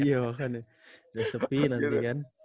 iya kan udah sepi nanti kan